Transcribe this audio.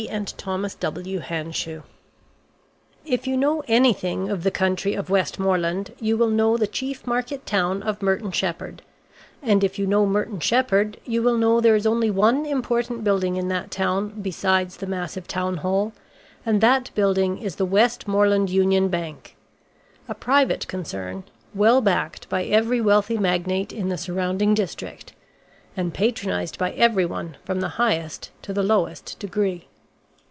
AND THOMAS W. HANSHEW If you know anything of the country of Westmoreland, you will know the chief market town of Merton Sheppard, and if you know Merton Sheppard, you will know there is only one important building in that town besides the massive Town Hall, and that building is the Westmoreland Union Bank a private concern, well backed by every wealthy magnate in the surrounding district, and patronized by everyone from the highest to the lowest degree.